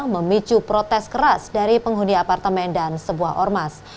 memicu protes keras dari penghuni apartemen dan sebuah ormas